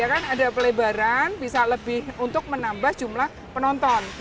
ada pelebaran bisa lebih untuk menambah jumlah penonton